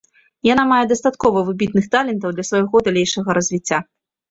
Яна мае дастаткова выбітных талентаў для свайго далейшага развіцця.